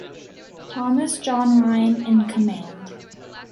Thomas John Ryan in command.